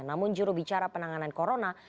namun juru bicara penanganan corona